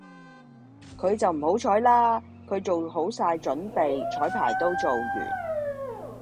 佢就唔好彩啦，佢做好曬準備，彩排都做完